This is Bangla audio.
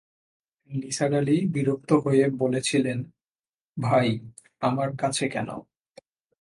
নিসার আলি বিরক্ত হয়ে বলেছিলেন, ভাই, আমার কাছে কেন?